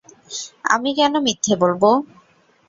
আমি কেন মিথ্যে বলব?